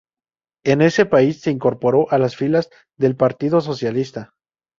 En ese país se incorporó a las filas del Partido Socialista.